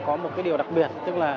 có một điều đặc biệt